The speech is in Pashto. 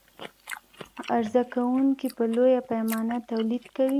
عرضه کوونکى په لویه پیمانه تولید کوي.